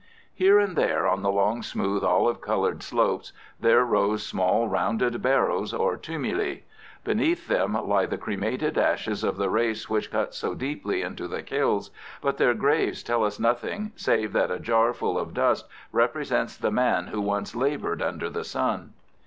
Here and there on the long, smooth, olive coloured slopes there rose small rounded barrows or tumuli. Beneath them lie the cremated ashes of the race which cut so deeply into the hills, but their graves tell us nothing save that a jar full of dust represents the man who once laboured under the sun.